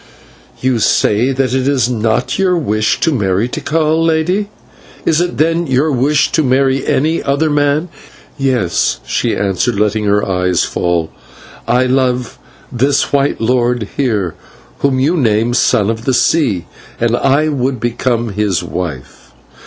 "You say it is not your wish to marry Tikal, Lady. Is it, then, your wish to marry any other man?" "Yes," she answered, letting her eyes fall, "I love this white lord here, whom you name Son of the Sea, and I would become his wife.